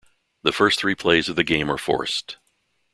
The first three plays of the game are forced.